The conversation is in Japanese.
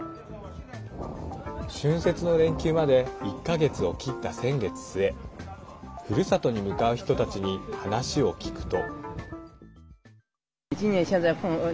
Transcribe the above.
春節の連休まで１か月を切った先月末ふるさとに向かう人たちに話を聞くと。